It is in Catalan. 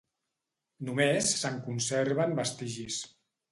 Només se'n conserven vestigis.